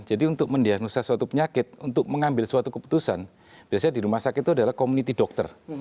jadi untuk mendiagnosa suatu penyakit untuk mengambil suatu keputusan biasanya di rumah sakit itu adalah community dokter